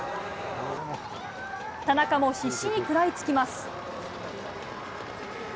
田中も必死に食らいつきます。